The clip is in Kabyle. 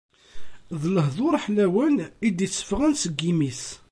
D lehdur ḥlawen i d-itteffɣen seg yimi-s.